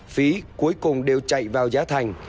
phí cuối cùng đều chạy vào giá thành